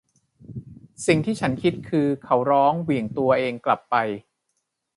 สิ่งที่ฉันคิดคือ เขาร้อง เหวี่ยงตัวเองกลับไป